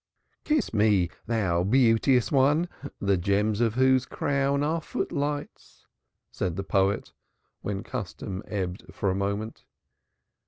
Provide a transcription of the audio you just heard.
"Kiss me, thou beauteous one, the gems of whose crown are foot lights," said the poet, when the custom ebbed for a moment.